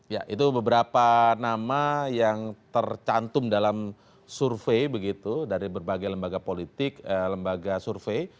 ya itu beberapa nama yang tercantum dalam survei begitu dari berbagai lembaga politik lembaga survei